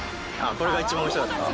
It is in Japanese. これが一番おいしそうだった？